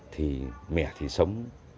thì mẻ thì sống